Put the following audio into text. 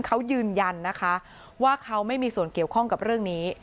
เขายืนยันนะคะว่าเขาไม่มีส่วนเกี่ยวข้องกับเรื่องนี้